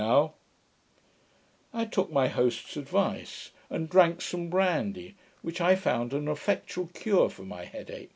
] I took my host's advice, and drank some brandy, which I found an effectual cure for my head ach.